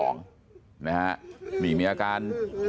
นะฮะนี่มีอาการ